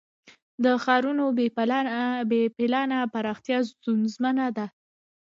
د ښارونو بې پلانه پراختیا ستونزه ده.